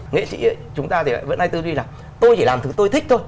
nghệ sĩ chúng ta thì lại vẫn hay tư duy là tôi chỉ làm thứ tôi thích thôi